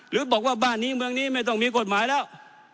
หรือบอกว่าบ้านนี้เมืองนี้ไม่ต้องมีกฎหมายแล้ว